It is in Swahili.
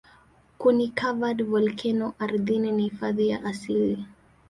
Kuni-covered volkeno ardhini ni hifadhi ya asili.